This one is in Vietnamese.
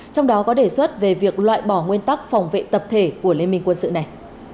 trong đó có đề xuất về việc loại bỏ nguyên tắc phòng vệ tập thể của liên minh quân sự này